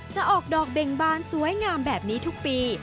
จะออกดอกเบ่งบานสวยงามแบบนี้ทุกปี